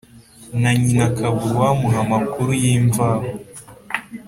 na nyina, akabura uwamuha amakuru y'imvaho.